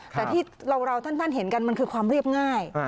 แต่ที่เราท่านเห็นกันมันคือความเรียบง่าย